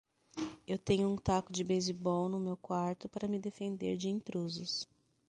Eu tenho um taco de beisebol no meu quarto para me defender de intrusos.